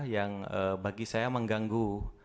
yang bagi saya mengganggu